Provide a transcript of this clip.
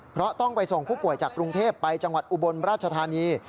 เพราะต้องไปส่งผู้ป่วยจากกรุงเทพไปจังหวัดอุบลราชธานี